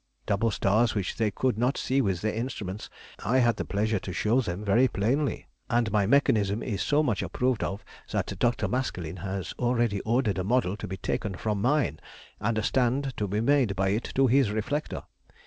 Double stars which they could not see with their instruments I had the pleasure to show them very plainly, and my mechanism is so much approved of that Dr. Maskelyne has already ordered a model to be taken from mine and a stand to be made by it to his reflector.